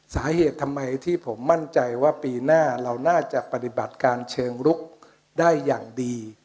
สาเหตุทำไมที่ผมมั่นใจว่าปีหน้าเราน่าจะปฏิบัติการเชิงรุกได้อย่างดี